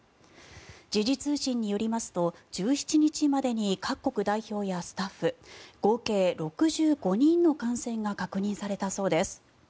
時事通信によりますと１７日までに各国代表やスタッフ合計６５人の感染が確認されたそうです。